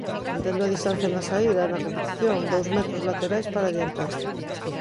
Mantendo a distancia na saída e na competición, dous metros laterais para adiantar.